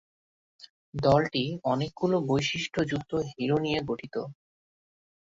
দলটি অনেকগুলো বৈশিষ্ট্যযুক্ত হিরো নিয়ে গঠিত।